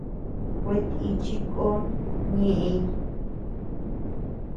Kuetíchi kon ñeʼey.